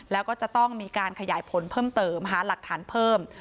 แล้วก็จะต้องมีการขยายผลเพิ่มเติมหาหลักฐานเพิ่ม